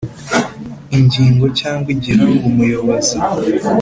Ingingo cyangwa igihanga umuyobozi